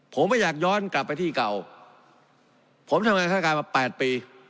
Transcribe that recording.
ผมไม่อยากย้อนกลับไปที่เก่าผมทำงานฆาตการมา๘ปี